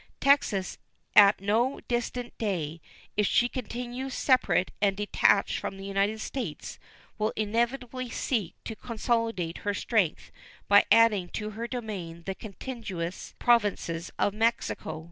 Texas at no distant day, if she continues separate and detached from the United States, will inevitably seek to consolidate her strength by adding to her domain the contiguous Provinces of Mexico.